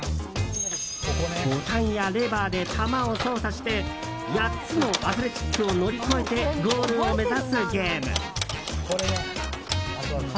ボタンやレバーで玉を操作して８つのアスレチックを乗り越えてゴールを目指すゲーム。